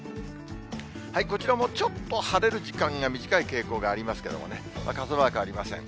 こちらもちょっと晴れる時間が短い傾向がありますけどね、傘マークありません。